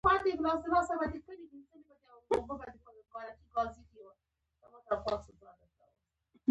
هغه ډیر بد اخلاقه ده